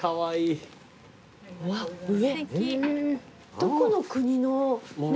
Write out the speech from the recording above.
どこの国の。